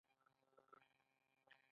نو په لسو افغانیو هم یوه کیلو وریجې اخلو